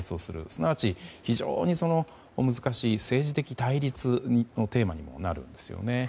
すなわち、非常に難しい政治的対立のテーマにもなるんですね。